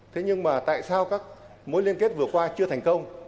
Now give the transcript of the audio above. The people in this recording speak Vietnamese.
thế nhưng mà tại sao các mối liên kết vừa qua chưa thành công